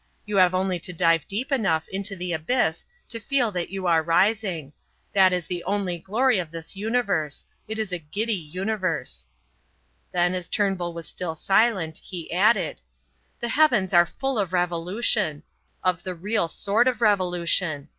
You have only to dive deep enough into the abyss to feel that you are rising. That is the only glory of this universe it is a giddy universe." Then, as Turnbull was still silent, he added: "The heavens are full of revolution of the real sort of revolution.